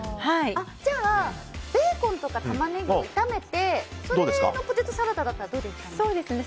じゃあ、ベーコンとかタマネギを炒めてそれのポテトサラダならどうですかね？